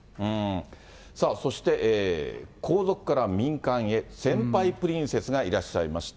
さあそして、皇族から民間へ、先輩プリンセスがいらっしゃいました。